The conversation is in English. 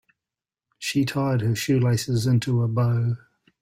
She tied her shoelaces into a bow.